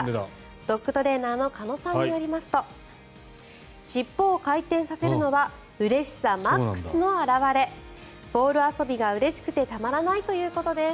ドッグトレーナーの鹿野さんによりますと尻尾を回転させるのはうれしさマックスの表れボール遊びがうれしくてたまらないということです。